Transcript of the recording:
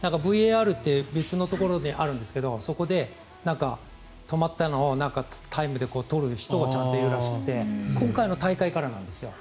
ＶＡＲという別のところにあるんですがそこで止まったのをタイムで取る人がちゃんといるらしくて今回の大会からなんですよ。